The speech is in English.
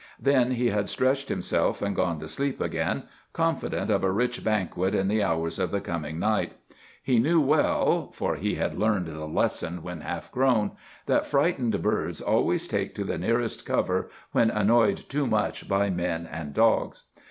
Then he had stretched himself and gone to sleep again, confident of a rich banquet in the hours of the coming night. He knew well—for he had learned the lesson when half grown—that frightened birds always take to the nearest cover when annoyed too much by men and dogs.